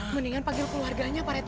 mendingan panggil keluarganya pak rt